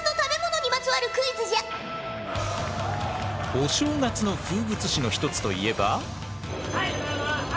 お正月の風物詩の一つといえば。